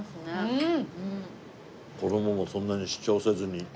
うん。